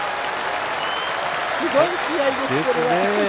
すごい試合です、これは。